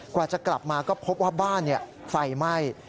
กว่าจะกลับมาก็พบว่าบ้านไฟไหม้